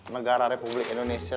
negara republik indonesia